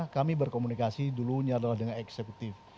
kami berkomunikasi dulunya adalah dengan eksekutif